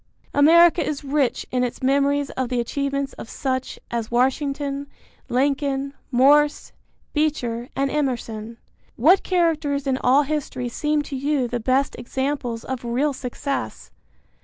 America is rich in its memories of the achievements of such as Washington, Lincoln, Morse, Beecher and Emerson. What characters in all history seem to you the best examples of real success?